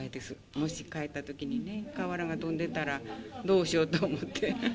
もし帰ったときにね、瓦が飛んでたらどうしようと思って。